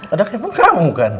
ada handphone kamu kan